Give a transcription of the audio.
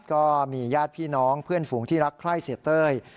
ก็มีญาติพี่น้องเพื่อนฝูงที่รักไข้เสียเต้ย